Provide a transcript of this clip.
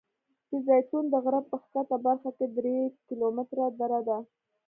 د زیتون د غره په ښکته برخه کې درې کیلومتره دره ده.